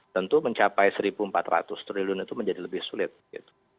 tentu mencapai rp satu empat ratus triliun itu menjadi lebih sulit gitu